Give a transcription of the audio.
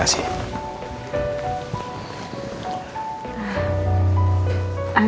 kayaknya udah kengaruh terang